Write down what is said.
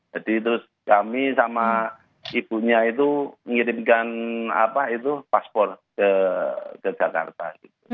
jadi terus kami sama ibunya itu mengirimkan paspor ke jakarta